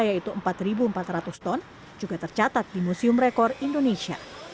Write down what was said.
yaitu empat empat ratus ton juga tercatat di museum rekor indonesia